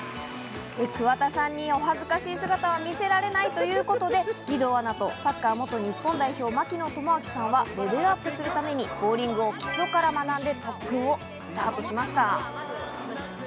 桑田さんにお恥ずかしい姿は見せられないということで、義堂アナとサッカー元日本代表・槙野智章さんはレベルアップするために、ボウリングを基礎から学んで特訓をスタートしました。